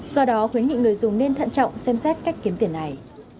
do đó khuyến nghị người dùng nên thận trọng xem xét cách kiếm tiền này